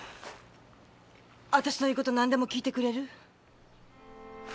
私の言う事何でも聞いてくれる？